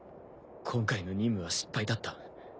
今回の任務は失敗だった。